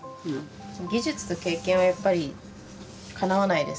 技術と経験はやっぱりかなわないですけどね。